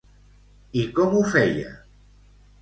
I com ho feia?